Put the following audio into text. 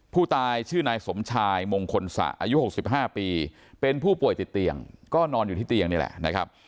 ผู้ตายชื่อนายสมชายมงคลสะอายุ๖๕ปีเป็นผู้ป่วยติดเตียงก็นอนอยู่ที่เตียงนี่แหละนะครับ